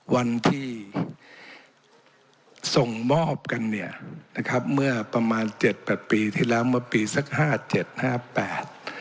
วันที่ส่งมอบกันเนี่ยนะครับเมื่อประมาณ๗๘ปีที่แล้วเมื่อปีสัก๕ที่